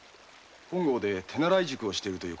本郷で手習い塾をしているとか。